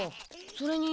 それに。